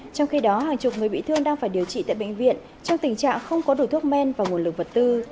trong khi đó hàng chục người bị thương đang phải điều trị tại bệnh viện trong tình trạng không có đủ thuốc men và nguồn lực vật tư